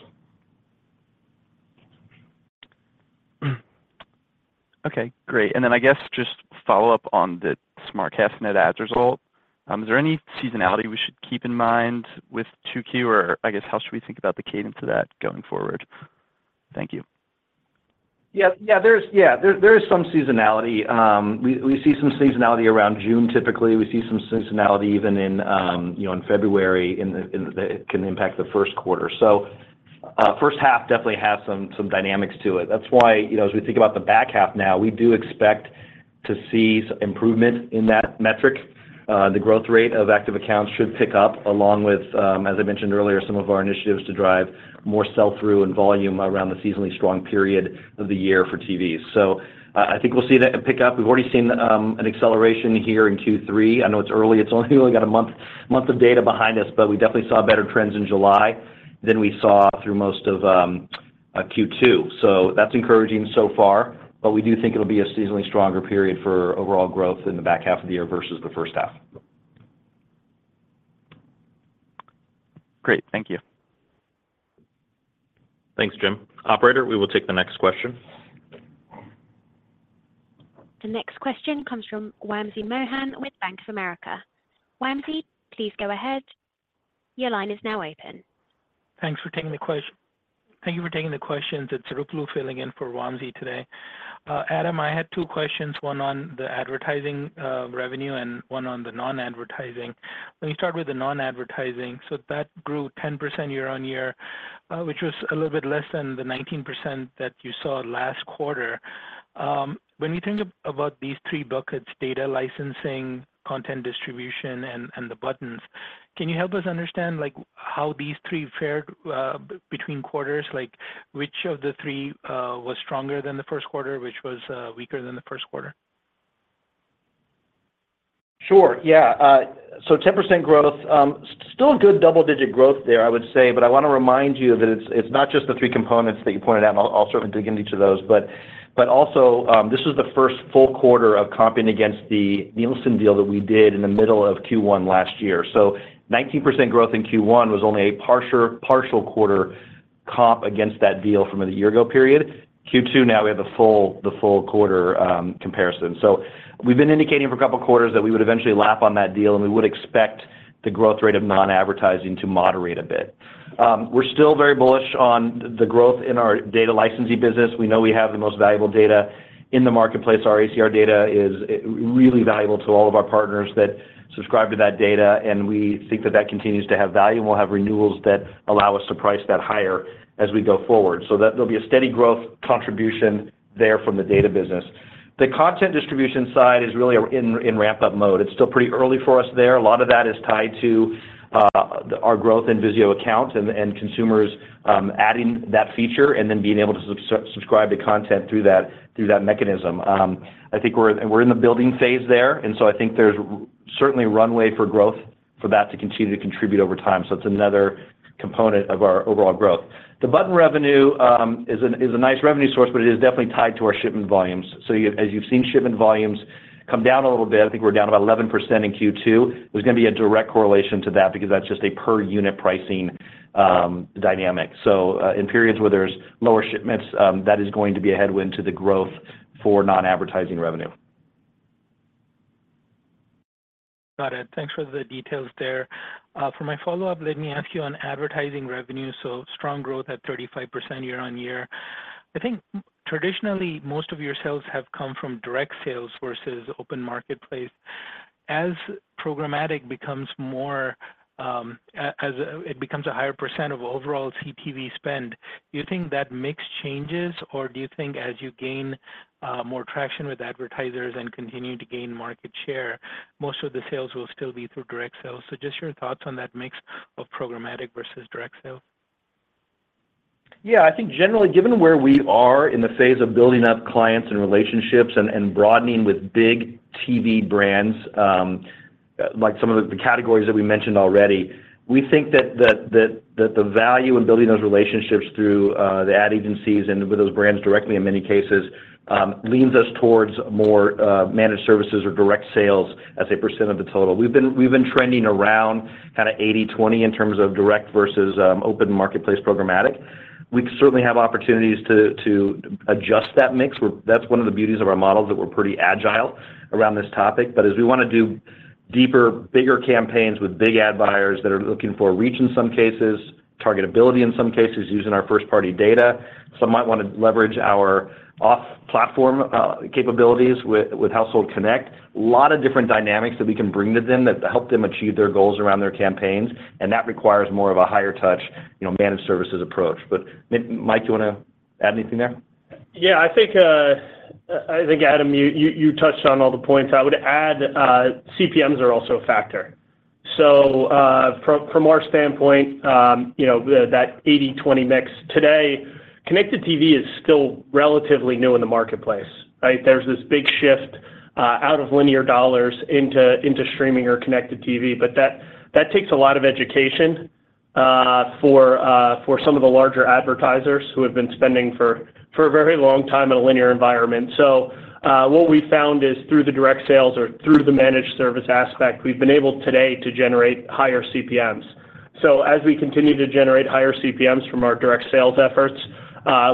Okay, great. I guess just follow up on the SmartCast net adds result. Is there any seasonality we should keep in mind with 2Q? I guess, how should we think about the cadence of that going forward? Thank you. Yeah, there is some seasonality. We see some seasonality around June, typically. We see some seasonality even in, you know, in February, in the, in the it can impact the first quarter. First half definitely has some, some dynamics to it. That's why, you know, as we think about the back half now, we do expect to see improvement in that metric. The growth rate of active accounts should pick up, along with, as I mentioned earlier, some of our initiatives to drive more sell-through and volume around the seasonally strong period of the year for TVs. I think we'll see that pick up. We've already seen an acceleration here in Q3. I know it's early. It's only really got a month, month of data behind us, but we definitely saw better trends in July than we saw through most of Q2. That's encouraging so far, but we do think it'll be a seasonally stronger period for overall growth in the back half of the year versus the first half. Great. Thank you. Thanks, Jim. Operator, we will take the next question. The next question comes from Wamsi Mohan with Bank of America. Wamsi, please go ahead. Your line is now open. Thanks for taking the quest- thank you for taking the questions. It's Ruplu Bhattacharya filling in for Wamsi today. Adam, I had two questions, one on the advertising revenue and one on the non-advertising. Let me start with the non-advertising. That grew 10% year-on-year, which was a little bit less than the 19% that you saw last quarter. When you think a-about these three buckets, data licensing, content distribution, and the buttons, can you help us understand, like, how these three fared b-between quarters? Like, which of the three was stronger than the first quarter? Which was weaker than the first quarter? Sure, yeah. So 10% growth, still a good double-digit growth there, I would say. I want to remind you that it's, it's not just the three components that you pointed out, and I'll, I'll sort of dig into each of those. Also, this was the first full quarter of comping against the Nielsen deal that we did in the middle of Q1 last year. 19% growth in Q1 was only a partial, partial quarter comp against that deal from a year ago period. Q2, now we have the full, the full quarter comparison. We've been indicating for a couple of quarters that we would eventually lap on that deal, and we would expect the growth rate of non-advertising to moderate a bit. We're still very bullish on the growth in our data licensing business. We know we have the most valuable data in the marketplace. Our ACR data is really valuable to all of our partners that subscribe to that data, and we think that that continues to have value, and we'll have renewals that allow us to price that higher as we go forward. There'll be a steady growth contribution there from the data business. The content distribution side is really are in, in ramp-up mode. It's still pretty early for us there. A lot of that is tied to our growth in VIZIO accounts and, and consumers adding that feature and then being able to sub-sub-subscribe to content through that, through that mechanism. I think we're in the building phase there. I think there's certainly runway for growth for that to continue to contribute over time. It's another component of our overall growth. The button revenue is a nice revenue source, but it is definitely tied to our shipment volumes. As you've seen, shipment volumes come down a little bit. I think we're down about 11% in Q2. There's going to be a direct correlation to that because that's just a per unit pricing dynamic. In periods where there's lower shipments, that is going to be a headwind to the growth for non-advertising revenue. Got it. Thanks for the details there. For my follow-up, let me ask you on advertising revenue, so strong growth at 35% year-over-year. I think traditionally, most of your sales have come from direct sales versus open marketplace. As programmatic becomes more, it becomes a higher % of overall CTV spend, do you think that mix changes? Do you think as you gain more traction with advertisers and continue to gain market share, most of the sales will still be through direct sales? Just your thoughts on that mix of programmatic versus direct sales. Yeah. I think generally, given where we are in the phase of built-in up clients and relationships and, broadening with big TV brands, like some of the categories that we mentioned already, we think that, that, that, that the value in built-in those relationships through the ad agencies and with those brands directly, in many cases, leans us towards more managed services or direct sales as a % of the total. We've been, we've been trending around kinda 80/20 in terms of direct versus open marketplace programmatic. We certainly have opportunities to adjust that mix, where that's one of the beauties of our model, that we're pretty agile around this topic. As we want to do deeper, bigger campaigns with big ad buyers that are looking for reach, in some cases, targetability, in some cases, using our first-party data. Some might want to leverage our off-platform capabilities with, with Household Connect. Lot of different dynamics that we can bring to them that help them achieve their goals around their campaigns, that requires more of a higher touch, you know, managed services approach. Mike, you want to add anything there? Yeah, I think, I, I think, Adam, you, you, you touched on all the points. I would add, CPMs are also a factor. From, from our standpoint, you know, the, that 80/20 mix today, connected TV is still relatively new in the marketplace, right? There's this big shift, out of linear dollars into, into streaming or connected TV, but that, that takes a lot of education, for, for some of the larger advertisers who have been spending for, for a very long time in a linear environment. What we found is through the direct sales or through the managed service aspect, we've been able today to generate higher CPMs. As we continue to generate higher CPMs from our direct sales efforts,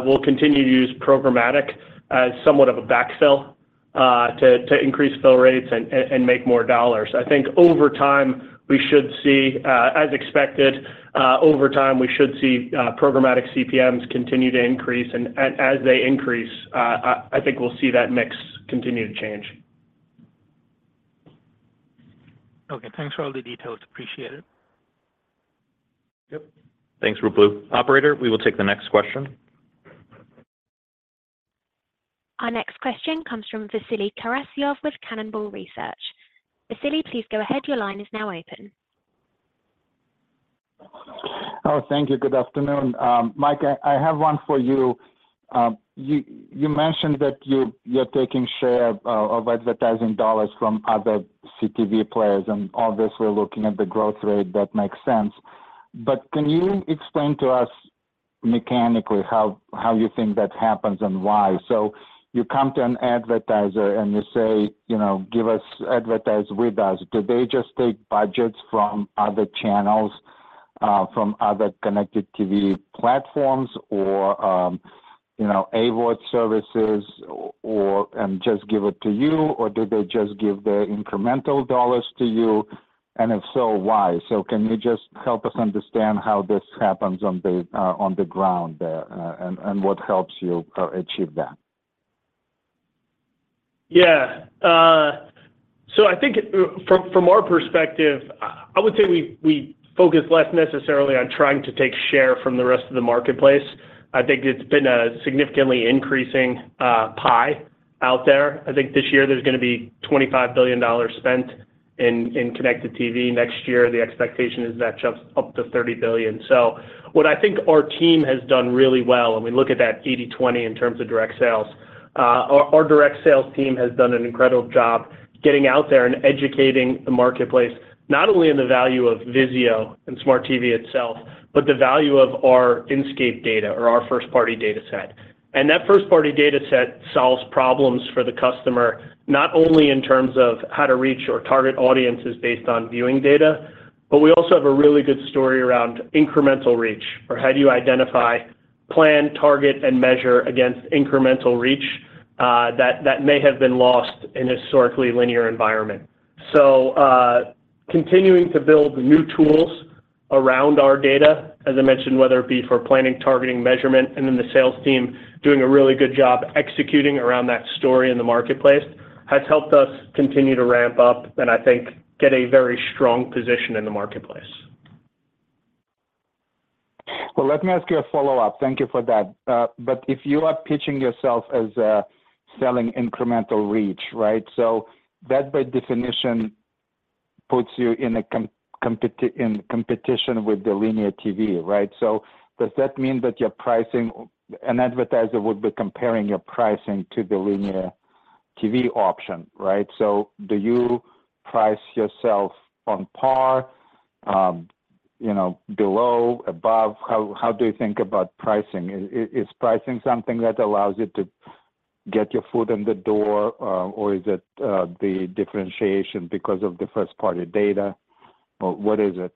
we'll continue to use programmatic as somewhat of a backfill, to, to increase fill rates and, and make more dollars. I think over time, we should see, as expected, over time, we should see programmatic CPMs continue to increase. As they increase, I think we'll see that mix continue to change. Okay. Thanks for all the details. Appreciate it. Yep. Thanks, Ruplu Bhattacharya. Operator, we will take the next question. Our next question comes from Vasily Karasyov with Cannonball Research. Vasily, please go ahead. Your line is now open. Oh, thank you. Good afternoon. Mike, I have one for you. You mentioned that you're taking share of advertising dollars from other CTV players, and obviously, looking at the growth rate, that makes sense. Can you explain to us mechanically how you think that happens and why? You come to an advertiser, and you say, "You know, give us-- advertise with us." Do they just take budgets from other channels from other connected TV platforms or AVOD services or and just give it to you, or do they just give the incremental dollars to you, and if so, why? Can you just help us understand how this happens on the ground there and what helps you achieve that? Yeah. I think it from our perspective, I would say we focus less necessarily on trying to take share from the rest of the marketplace. I think it's been a significantly increasing pie out there. I think this year there's going to be $25 billion spent in connected TV. Next year, the expectation is that jumps up to 30 billion. What I think our team has done really well, and we look at that 80/20 in terms of direct sales. Our direct sales team has done an incredible job getting out there and educating the marketplace, not only on the value of VIZIO and Smart TV itself, but the value of our Inscape data or our first-party dataset. That first-party dataset solves problems for the customer, not only in terms of how to reach or target audiences based on viewing data, but we also have a really good story around incremental reach, or how do you plan, target, and measure against incremental reach that, that may have been lost in a historically linear environment. Continuing to build new tools around our data, as I mentioned, whether it be for planning, targeting, measurement, and then the sales team doing a really good job executing around that story in the marketplace, has helped us continue to ramp up and I think get a very strong position in the marketplace. Well, let me ask you a follow-up. Thank you for that. If you are pitching yourself as selling incremental reach, right? That, by definition, puts you in competition with the linear TV, right? Does that mean that your pricing, an advertiser would be comparing your pricing to the linear TV option, right? Do you price yourself on par, you know, below, above? How, how do you think about pricing? Is, is, is pricing something that allows you to get your foot in the door, or is it the differentiation because of the first-party data? Or what is it?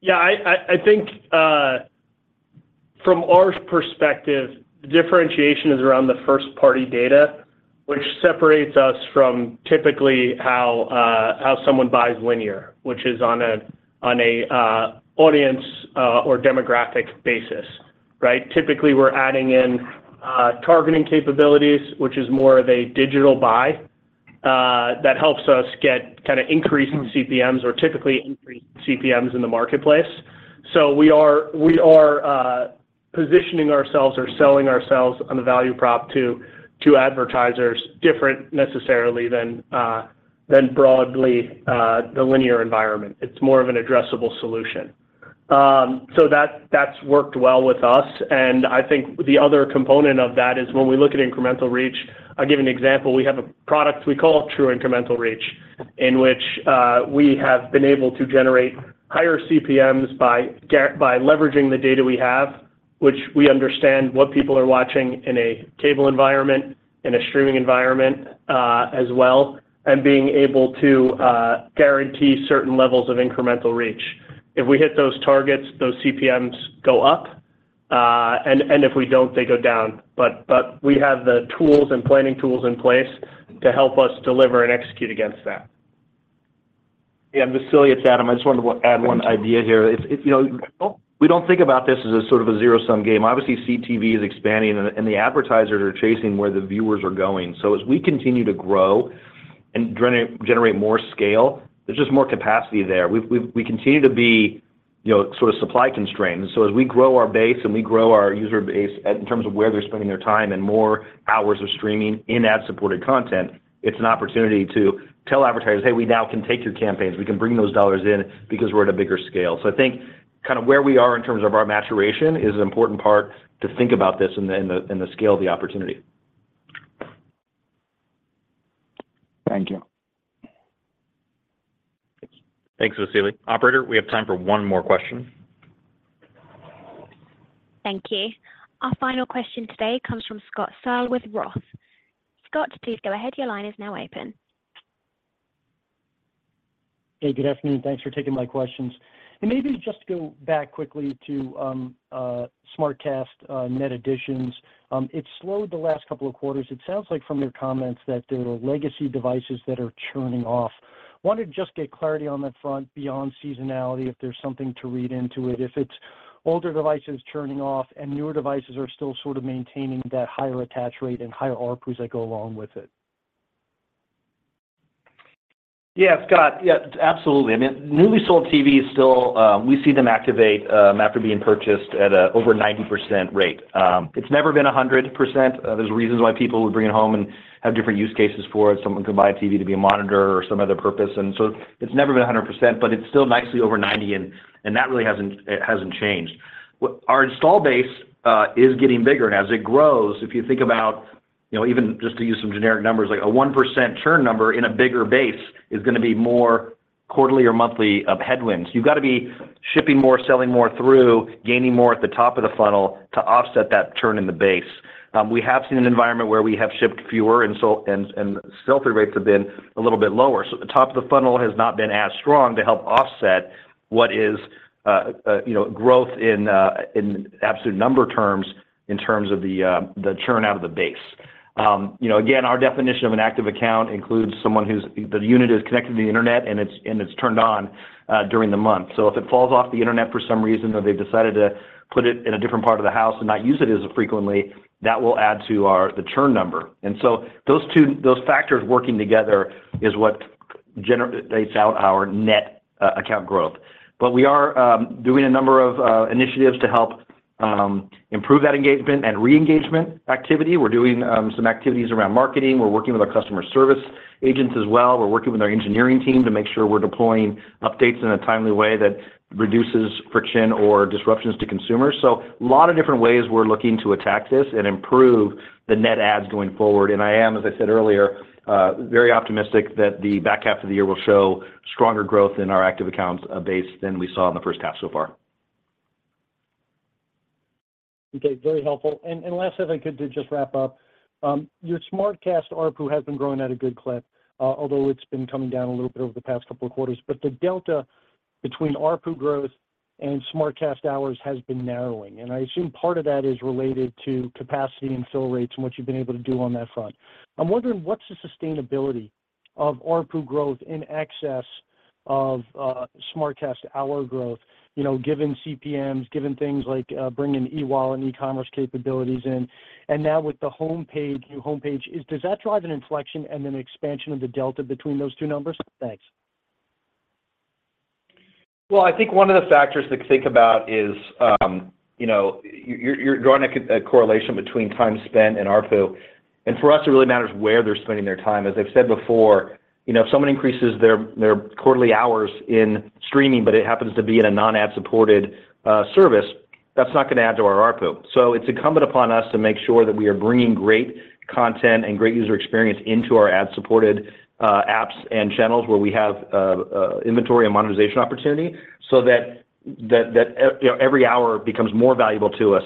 Yeah, I, I, I think, from our perspective, the differentiation is around the first-party data, which separates us from typically how, how someone buys linear, which is on a, on a, audience, or demographic basis, right? Typically, we're adding in, targeting capabilities, which is more of a digital buy, that helps us get kinda increase in CPMs or typically increase CPMs in the marketplace. We are, we are, positioning ourselves or selling ourselves on the value prop to, to advertisers, different necessarily than, than broadly, the linear environment. It's more of an addressable solution. That- that's worked well with us, and I think the other component of that is when we look at incremental reach. I'll give you an example. We have a product we call True Incremental Reach, in which we have been able to generate higher CPMs by leveraging the data we have, which we understand what people are watching in a cable environment, in a streaming environment, as well, and being able to guarantee certain levels of incremental reach. If we hit those targets, those CPMs go up, and if we don't, they go down. But we have the tools and planning tools in place to help us deliver and execute against that. Yeah, Vasily, it's Adam. I just wanted to add one idea here. It's, you know, we don't think about this as a sort of a zero-sum game. Obviously, CTV is expanding, and the advertisers are chasing where the viewers are going. As we continue to grow and generate more scale, there's just more capacity there. We've, we continue to be, you know, sort of supply constrained. As we grow our base and we grow our user base in terms of where they're spending their time and more hours of streaming in ad-supported content, it's an opportunity to tell advertisers: "Hey, we now can take your campaigns. We can bring those dollars in because we're at a bigger scale. I think kind of where we are in terms of our maturation is an important part to think about this and the scale of the opportunity. Thank you. Thanks, Vasily. Operator, we have time for one more question. Thank you. Our final question today comes from Scott Searle with Roth. Scott, please go ahead. Your line is now open. Hey, good afternoon. Thanks for taking my questions. Maybe just to go back quickly to SmartCast net additions. It slowed the last couple of quarters. It sounds like from your comments that there are legacy devices that are churning off. Wanted to just get clarity on that front beyond seasonality, if there's something to read into it, if it's older devices churning off and newer devices are still sort of maintaining that higher attach rate and higher ARPU as they go along with it? Yeah, Scott. Yeah, absolutely. I mean, newly sold TVs still, we see them activate after being purchased at a over 90% rate. It's never been 100%. There's reasons why people would bring it home and have different use cases for it. Someone could buy a TV to be a monitor or some other purpose, and so it's never been 100%, but it's still nicely over 90, and that really hasn't, it hasn't changed. Our install base is getting bigger, and as it grows, if you think about, you know, even just to use some generic numbers, like a 1% churn number in a bigger base is going to be more quarterly or monthly of headwinds. You've got to be shipping more, selling more through, gaining more at the top of the funnel to offset that churn in the base. We have seen an environment where we have shipped fewer, and sell-through rates have been a little bit lower. The top of the funnel has not been as strong to help offset what is, you know, growth in absolute number terms in terms of the churn out of the base. You know, again, our definition of an active account includes someone the unit is connected to the internet, and it's, and it's turned on during the month. If it falls off the internet for some reason, or they've decided to put it in a different part of the house and not use it as frequently, that will add to our, the churn number. Those two factors working together is what generates out our net account growth. We are doing a number of initiatives to help improve that engagement and re-engagement activity. We're doing some activities around marketing. We're working with our customer service agents as well. We're working with our engineering team to make sure we're deploying updates in a timely way that reduces friction or disruptions to consumers. Lot of different ways we're looking to attack this and improve the net adds going forward. I am, as I said earlier, very optimistic that the back half of the year will show stronger growth in our Active Accounts, base than we saw in the first half so far. Okay, very helpful. Last, if I could just wrap up, your SmartCast ARPU has been growing at a good clip, although it's been coming down a little bit over the past couple of quarters. The delta between ARPU growth and SmartCast Hours has been narrowing, and I assume part of that is related to capacity and fill rates and what you've been able to do on that front. I'm wondering, what's the sustainability of ARPU growth in excess of SmartCast Hour growth? You know, given CPMs, given things like bringing e-wallet and e-commerce capabilities in, and now with the homepage, new homepage, does that drive an inflection and an expansion of the delta between those two numbers? Thanks. Well, I think one of the factors to think about is, you know, you're, you're drawing a correlation between time spent and ARPU, and for us, it really matters where they're spending their time. As I've said before, you know, if someone increases their, their quarterly hours in streaming, but it happens to be in a non-ad-supported service, that's not going to add to our ARPU. It's incumbent upon us to make sure that we are bringing great content and great user experience into our ad-supported apps and channels, where we have inventory and monetization opportunity, so that, that, that, you know, every hour becomes more valuable to us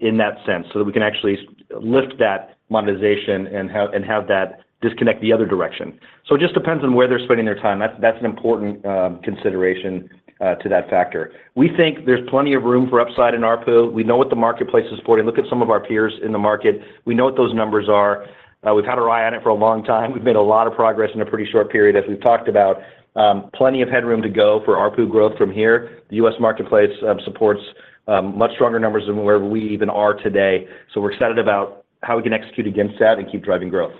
in that sense. That we can actually lift that monetization and have, and have that disconnect the other direction. It just depends on where they're spending their time. That's, that's an important consideration to that factor. We think there's plenty of room for upside in ARPU. We know what the marketplace is supporting. Look at some of our peers in the market. We know what those numbers are. We've had our eye on it for a long time. We've made a lot of progress in a pretty short period, as we've talked about. Plenty of headroom to go for ARPU growth from here. The U.S. marketplace supports much stronger numbers than where we even are today. We're excited about how we can execute against that and keep driving growth.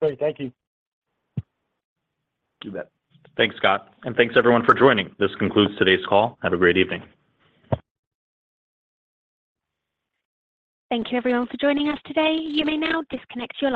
Great. Thank you. You bet. Thanks, Scott, and thanks everyone for joining. This concludes today's call. Have a great evening. Thank you, everyone, for joining us today. You may now disconnect your line.